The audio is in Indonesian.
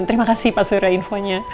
terima kasih pak surya infonya